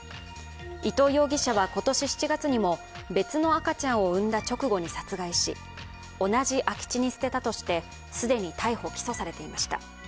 伊藤容疑者は今年７月にも別の赤ちゃんを産んだ直後に殺害し同じ空き地に捨てたとして既に逮捕・起訴されていました。